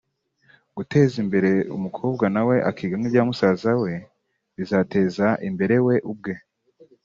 Guteza imbere umukobwa nawe akiga nk’ibya musaza we bizateza imbere we ubwe